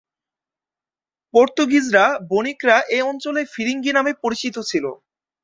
পর্তুগিজরা বণিকরা এ অঞ্চলে "ফিরিঙ্গি" নামে পরিচিত ছিলো।